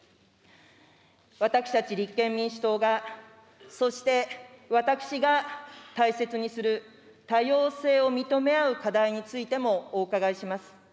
私たち立憲民主党が、そして私が大切にする、多様性を認め合う課題についても、お伺いします。